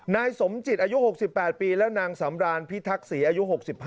นายสมจิตอายุ๖๘ปีและนางสำรานพิทักษีอายุ๖๕